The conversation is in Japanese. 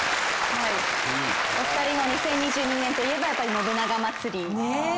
お二人の２０２２年といえばやっぱり信長まつり。